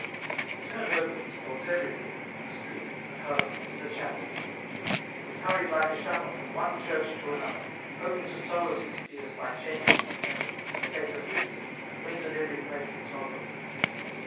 He turned over these thoughts everywhere, in the street, at home, in the chapels. He hurried like a shuttle from one church to another, hoping to solace his fears by changing his place, but they persisted, and rendered everyplace intolerable.